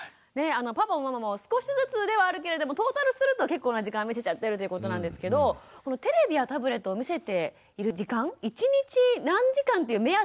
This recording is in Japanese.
パパママも少しずつではあるけれどもトータルすると結構な時間見せちゃってるってことなんですけどテレビやタブレットを見せている時間一日何時間っていう目安ってあるんですか？